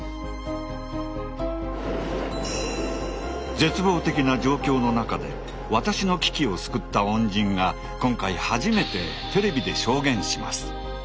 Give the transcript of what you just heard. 絶望的な状況の中で私の危機を救った恩人が今回初めてテレビで証言します。